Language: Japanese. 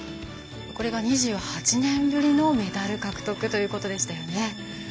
これが２８年ぶりのメダル獲得ということでしたよね。